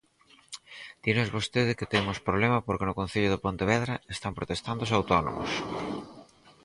Dinos vostede que temos problema porque no concello de Pontevedra están protestando os autónomos.